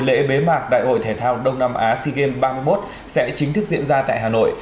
lễ bế mạc đại hội thể thao đông nam á sea games ba mươi một sẽ chính thức diễn ra tại hà nội